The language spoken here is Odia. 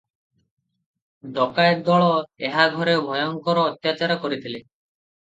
ଡକାଏତ ଦଳ ଏହା ଘରେ ଭୟଙ୍କର ଅତ୍ୟାଚାର କରିଥିଲେ ।